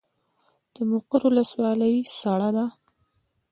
د مقر ولسوالۍ سړه ده